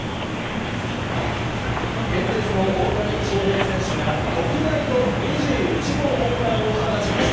エンゼルスの大谷翔平選手が、特大の２１号ホームランを放ちました。